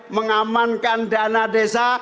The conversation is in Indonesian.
mengamankan dana desa